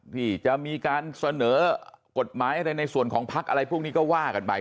ที่จะมีการเสนอกฎหมายอะไรในส่วนของพักอะไรพวกนี้ก็ว่ากันไป